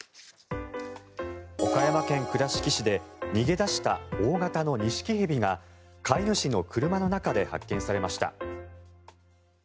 岡山県倉敷市で逃げ出した大型のニシキヘビが飼い主の車の中で発見されました。